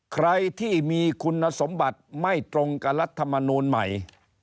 ใครที่มีคุณสมบัติไม่ตรงกับรัฐมนูลใหม่